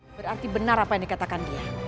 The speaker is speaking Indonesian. berarti benar apa yang dikatakan dia